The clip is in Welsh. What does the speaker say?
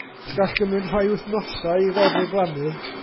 Gall gymryd rhai wythnosau iddo ddiflannu.